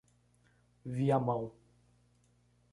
Viamão